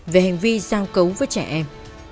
về hành vi giao cấu với trẻ em